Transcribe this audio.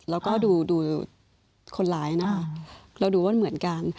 แล้วก็ดูคนร้ายนะคะเราดูว่าเหมือนกัน